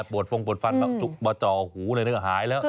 ปวดฟงปวดฟันบาดจอหูอะไรอย่างนั้นก็หายแล้ว